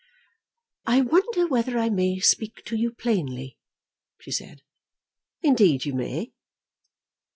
"I wonder whether I may speak to you plainly," she said. "Indeed you may."